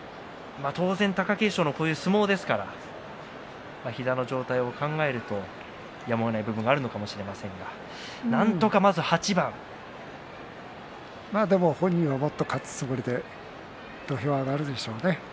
当然、貴景勝のこういう相撲ですから膝の状態を考えるとやむをえない部分があるのかもしれませんがでも本人はもっと勝つつもりで土俵に上がるでしょうね。